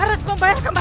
aku bunuh kalian semua